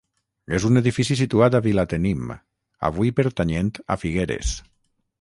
És un edifici situat a Vilatenim, avui pertanyent a Figueres.